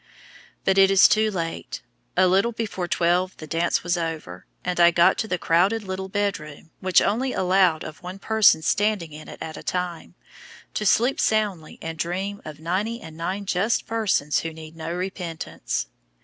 But it is "too late." A little before twelve the dance was over, and I got to the crowded little bedroom, which only allowed of one person standing in it at a time, to sleep soundly and dream of "ninety and nine just persons who need no repentance."